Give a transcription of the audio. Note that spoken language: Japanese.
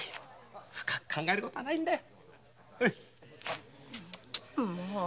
深く考える事ないんだよ。